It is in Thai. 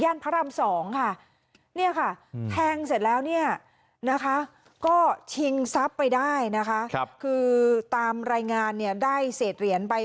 พระราม๒ค่ะเนี่ยค่ะแทงเสร็จแล้วเนี่ยนะคะก็ชิงทรัพย์ไปได้นะคะคือตามรายงานเนี่ยได้เศษเหรียญไป